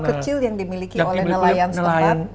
kecil yang dimiliki oleh nelayan setempat